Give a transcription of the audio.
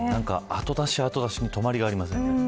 後出し、後出しに止まりがありません。